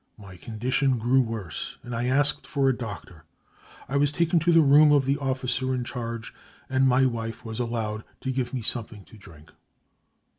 My condi tion grew worse, and I asked for a doctor. I was taken to the room of the officer in charge, and my wife was allowed to give me something to drink.